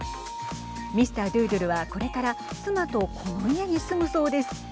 ミスター・ドゥードゥルはこれから妻とこの家に住むそうです。